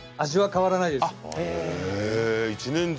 変わらないです。